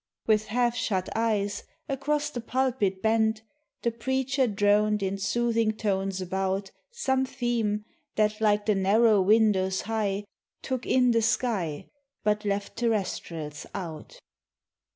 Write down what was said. With half shut eyes, across the pulpit bent, The preacher droned in soothing tones about Some theme, that like the narrow windows high, Took in the sky, but left terrestrials out.